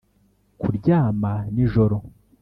kuryama nijoro,